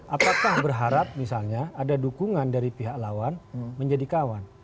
apakah berharap misalnya ada dukungan dari pihak lawan menjadi kawan